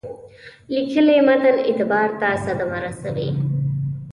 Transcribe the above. لیکلي متن اعتبار ته صدمه رسوي.